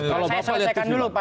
kalau bapak lihat